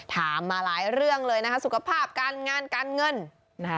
ถามมาหลายเรื่องเลยนะคะสุขภาพการงานการเงินนะคะ